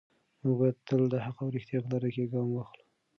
موږ باید تل د حق او ریښتیا په لاره کې ګام واخلو.